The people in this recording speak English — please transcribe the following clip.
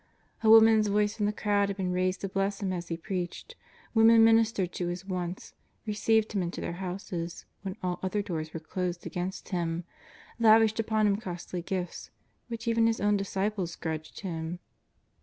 A woman's voice from the crowd had been raised to bless Him as He preached; women ministered to His wants, received Him into their houses when all other doors were closed against Him, lavished upon Him costly gifts which even His own disciples grudged Him.